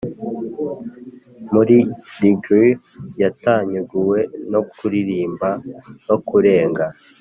muri dingle yatanyaguwe no kuririmba no kurenga